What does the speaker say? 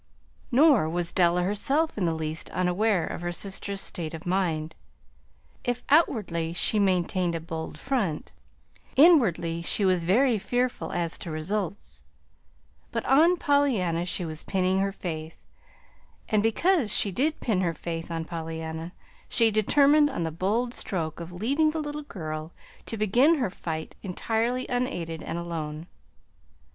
Nor was Della herself in the least unaware of her sister's state of mind. If outwardly she maintained a bold front, inwardly she was very fearful as to results; but on Pollyanna she was pinning her faith, and because she did pin her faith on Pollyanna, she determined on the bold stroke of leaving the little girl to begin her fight entirely unaided and alone.